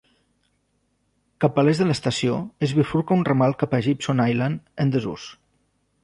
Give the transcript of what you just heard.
Cap a l'est de l'estació, es bifurca un ramal cap a Gibson Island en desús.